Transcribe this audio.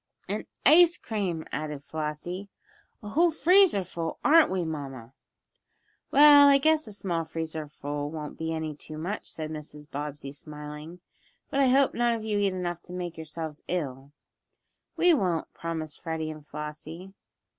"And ice cream" added Flossie "a whole freezer full; aren't we, mamma?" "Well, I guess a small freezer full won't be any too much," said Mrs. Bobbsey, smiling. "But I hope none of you eat enough to make yourselves ill." "We won't," promised Freddie and Flossie.